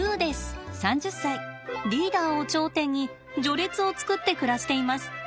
リーダーを頂点に序列を作って暮らしています。